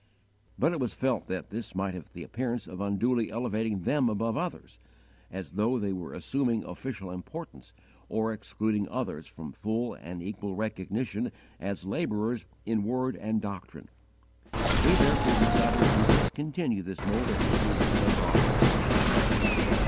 But it was felt that this might have the appearance of unduly elevating them above others, as though they were assuming official importance, or excluding others from full and equal recognition as labourers in word and doctrine. They therefore decided to discontinue this mode of receiving such offerings.